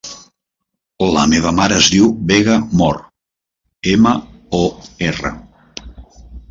La meva mare es diu Vega Mor: ema, o, erra.